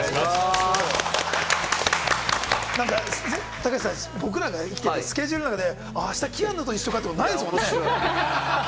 高橋さん、僕らが生きてきて、スケジュールであしたキアヌと一緒なんてないですからね。